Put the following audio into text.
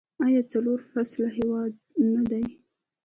آیا څلور فصله هیواد نه دی؟